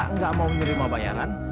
tapi kita kurang mau menerima bayangan